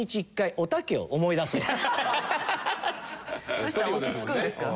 そしたら落ち着くんですか？